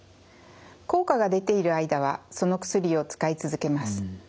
効果が出ている間はその薬を使い続けます。